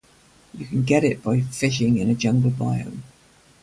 You can get it by fishing in a jungle biome.